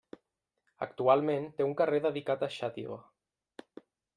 Actualment té un carrer dedicat a Xàtiva.